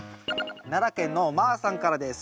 奈良県のまぁさんからです。